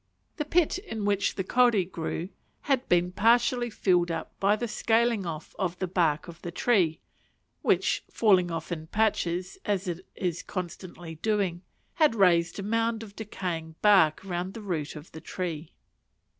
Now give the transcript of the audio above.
The pit in which the kauri grew, had been partially filled up by the scaling off of the bark of the tree; which, falling off in patches, as it is constantly doing, had raised a mound of decaying bark round the root of the tree.